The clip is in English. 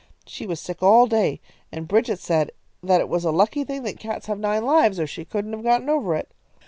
She was sick all day, and Bridget said that it was a lucky thing that cats have nine lives, or she couldn't have gotten over it.